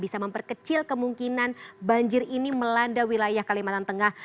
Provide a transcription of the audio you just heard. bisa memperkecil kemungkinan banjir ini melanda wilayah kalimantan tengah